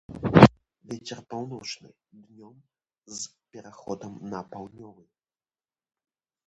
Вецер паўночны, днём з пераходам на паўднёвы.